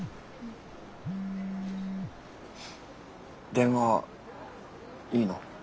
電話いいの？